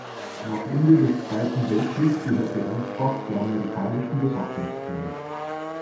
Nach Ende des Zweiten Weltkriegs gehörte Ansbach zur Amerikanischen Besatzungszone.